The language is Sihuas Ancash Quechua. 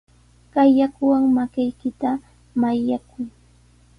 Kay yakuwan makiykita mayllakuy.